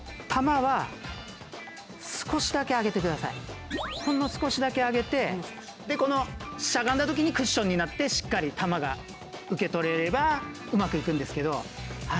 我々はほんの少しだけ上げてでこのしゃがんだときにクッションになってしっかり玉が受け取れればうまくいくんですけど。